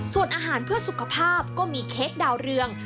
ส่วนอาหารเพื่อสุขภาพก็มีเค้กดาวเรือง